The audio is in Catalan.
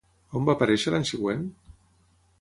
On va aparèixer l'any següent?